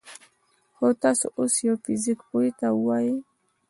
خو تاسو اوس يوه فزيك پوه ته ووايئ: